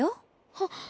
はっ。